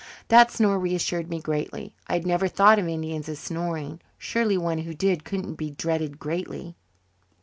That snore reassured me greatly. I had never thought of Indians as snoring. Surely one who did couldn't be dreaded greatly.